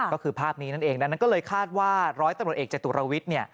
ก็คือภาพนี้นั่นเองดังนั้นก็เลยคาดว่าร้อยตำรวจเอกจตุรวิทย์เนี่ย